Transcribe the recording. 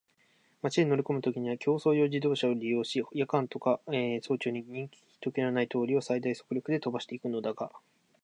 町へ乗りこむときには競走用自動車を利用し、夜間とか早朝に人気ひとけのない通りを最大速力で飛ばしていくのだが、